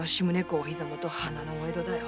お膝元花のお江戸だよ。